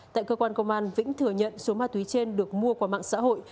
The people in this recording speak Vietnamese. tại cơ quan công an vĩnh thừa nhận số ma túy trên được mua qua mạng xã hội